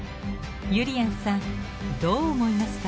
ゆりやんさんどう思いますか？